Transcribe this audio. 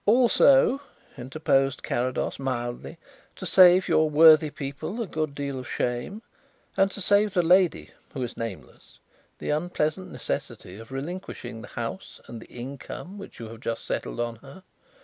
"Also," interposed Carrados mildly, "to save your worthy people a good deal of shame, and to save the lady who is nameless the unpleasant necessity of relinquishing the house and the income which you have just settled on her.